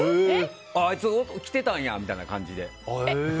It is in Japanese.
あいつ来てたんやみたいな感じで。